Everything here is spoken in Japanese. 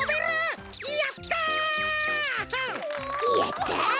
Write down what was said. やった！